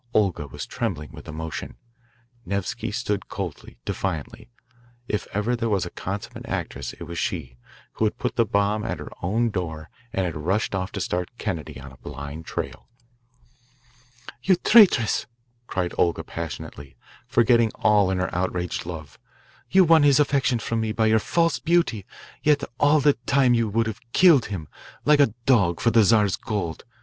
Olga was trembling with emotion. Nevsky stood coldly, defiantly. If ever there was a consummate actress it was she, who had put the bomb at her own door and had rushed off to start Kennedy on a blind trail. "You traitress," cried Olga passionately, forgetting all in her outraged love. "You won his affections from me by your false beauty yet all the time you would have killed him like a dog for the Czar's gold.